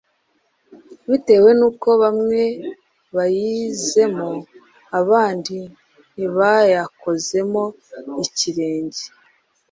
bitewe n'uko bamwe bayizemo abandi ntibayakozemo ikirenge.